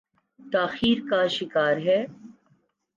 تاخیر کا شکار ہے۔